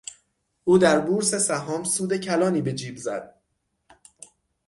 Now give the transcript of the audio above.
او در بورس سهام سود کلانی به جیب زد.